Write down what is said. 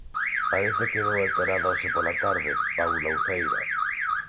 Parece que veu alterada hoxe pola tarde Paula Uceira.